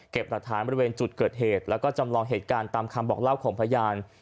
หลักฐานบริเวณจุดเกิดเหตุแล้วก็จำลองเหตุการณ์ตามคำบอกเล่าของพยาน